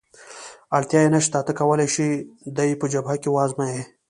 اړتیا یې نشته، ته کولای شې دی په جبهه کې وآزموېې.